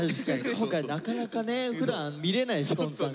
今回なかなかねふだん見れないＳｉｘＴＯＮＥＳさん